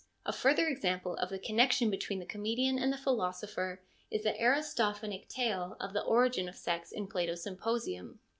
A further example of the connection between the comedian and the philosopher is the Aristophanic tale of the origin of sex in Plato's Symposium.